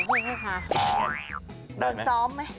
ได้ไหมเดินซ้อมไหม